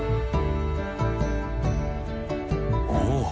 おお！